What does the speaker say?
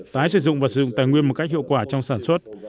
tái sử dụng và sử dụng tài nguyên một cách hiệu quả trong sản xuất